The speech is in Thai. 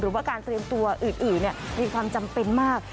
หรือว่าการเตรียมตัวอื่นมีความจำเป็นมาก